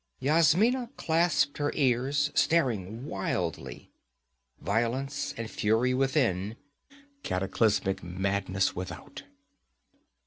Yasmina clasped her ears, staring wildly. Violence and fury within, cataclysmic madness without.